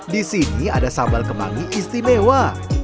disini ada sambal kemangi istimewa